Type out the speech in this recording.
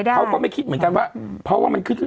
เขาก็ไม่คิดเหมือนกันว่า